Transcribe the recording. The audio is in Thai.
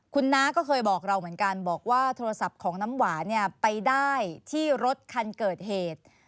คุณน้าก็เคยบอกเราเหมือนกันบอกว่าโทรศัพท์ของน้ำหวานเนี่ยไปได้ที่รถคันเกิดเหตุ